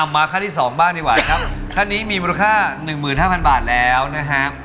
เอามาค่าที่สองบ้างดีกว่านะครับค่านี้มีมูลค่าหนึ่งหมื่นห้าพันบาทแล้วนะฮะ